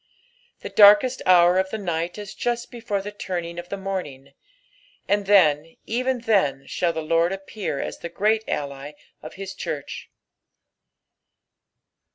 The darkest hour of the night is just before the turning of the morning ; and then, gtco then, shall the Lord appear as the great ally of his cliurrh.